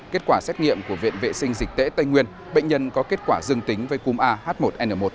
kết quả xét nghiệm của viện vệ sinh dịch tễ tây nguyên bệnh nhân có kết quả dương tính với cúm ah một n một